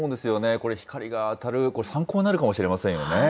これ、光が当たる参考になるかもしれませんよね。